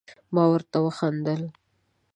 ما ورته وخندل ،